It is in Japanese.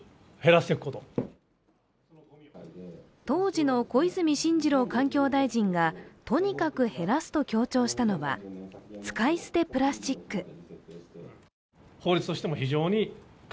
当時の小泉進次郎環境大臣がとにかく減らすと強調したのは使い捨てプラスチック。